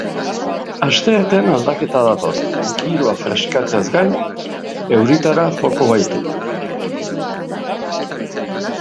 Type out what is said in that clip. Asteartean aldaketa dator, giroa freskatzeaz gain euritara joko baitu.